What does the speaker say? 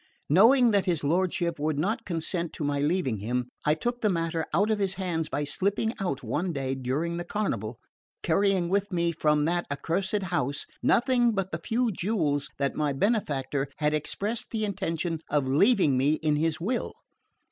Knowing that his lordship would not consent to my leaving him, I took the matter out of his hands by slipping out one day during the carnival, carrying with me from that accursed house nothing but the few jewels that my benefactor had expressed the intention of leaving me in his will.